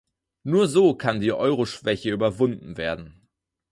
Nur so kann die Euroschwäche überwunden werden.